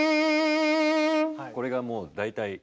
これがもう大体。